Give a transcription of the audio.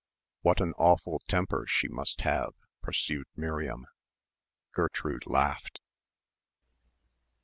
"What an awful temper she must have," pursued Miriam. Gertrude laughed.